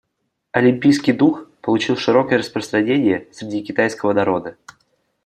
Олимпийский дух получил широкое распространение среди китайского народа.